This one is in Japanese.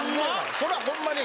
それはホンマに。